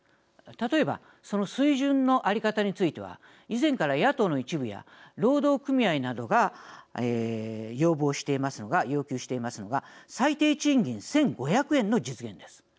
例えば、その水準の在り方については以前から野党の一部や労働組合などが要求しているのが最低賃金１５００円の実現です。